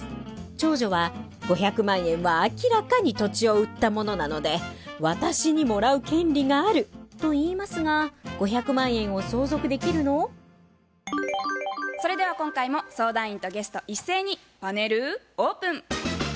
長女は「５００万円は明らかに土地を売ったものなので私にもらう権利がある」と言いますがそれでは今回も相談員とゲスト一斉にパネルオープン。